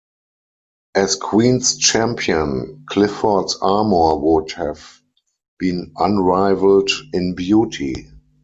As Queen's Champion Clifford's armour would have been unrivaled in beauty.